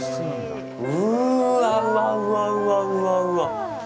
うーわうわうわうわうわ。